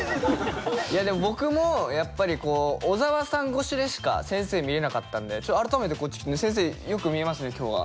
いやでも僕もやっぱりこう小沢さん越しでしか先生見えなかったんで改めてこっち来てね先生よく見えますね今日は。